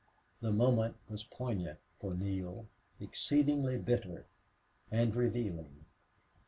The moment was poignant for Neale, exceedingly bitter, and revealing.